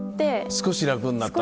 少し楽になったんだ。